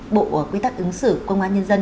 bộ quy tắc ứng xử công an nhân dân